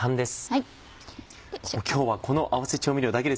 今日はこの合わせ調味料だけ。